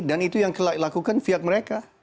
dan itu yang dilakukan viag mereka